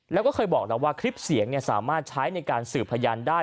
แล้วก็เคยบอกแล้วว่าคลิปเสียงสามารถใช้ในการสืบพยานได้